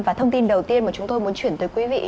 và thông tin đầu tiên mà chúng tôi muốn chuyển tới quý vị